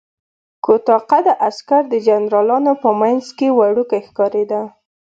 کوتاه قده عسکر د جنرالانو په منځ کې وړوکی ښکارېده.